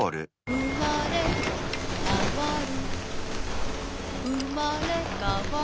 「うまれかわる」